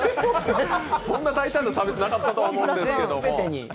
そんな大胆なサービスなかったと思うんですけど。